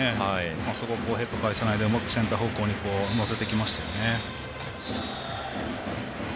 そこをヘッド返さないでうまくセンター方向に乗せていきましたよね。